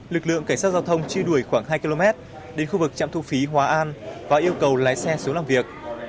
lực lượng cảnh sát giao thông chia đuổi khoảng hai km đến khu vực trạm thu phí hòa an và yêu cầu lái xe xuống làm việc